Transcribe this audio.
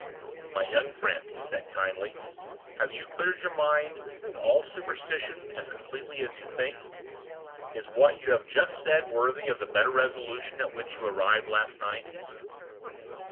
"My young friend," he said, kindly, "have you cleared your mind of all superstition as completely as you think? Is what you have just said worthy of the better resolution at which you arrived last night?"